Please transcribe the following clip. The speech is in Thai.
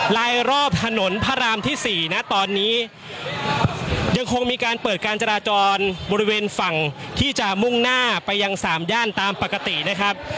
ลายรอบถนนพระรามที่๔นะตอนนี้ยังคงมีการเปิดการจราจรบริเวณฝั่งที่จะมุ่งหน้าไปยังสามย่านตามปกตินะครับ